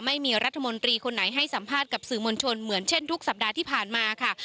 ไม่มีรัฐมนตรีคนไหนให้สัมภาษณ์กับสื่อมวลชนเหมือนเช่นทุกสัปดาห์ที่ผ่านมาค่ะ